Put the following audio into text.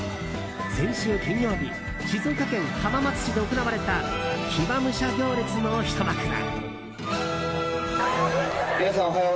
先週金曜日静岡県浜松市で行われた騎馬武者行列のひと幕だ。